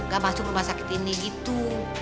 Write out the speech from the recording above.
gak masuk rumah sakit ini gitu